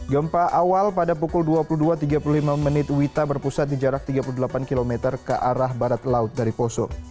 gempa awal pada pukul dua puluh dua tiga puluh lima menit wita berpusat di jarak tiga puluh delapan km ke arah barat laut dari poso